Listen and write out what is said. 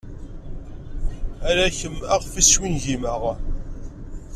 Ala kemm ayɣef swingimeɣ.